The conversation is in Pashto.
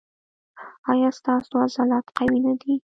ایا ستاسو عضلات قوي نه دي؟